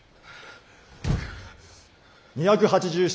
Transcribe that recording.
２８７。